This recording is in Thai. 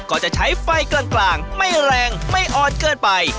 ก็จะใช้ไฟกลางไม่แรงไม่อ่อนเกินไป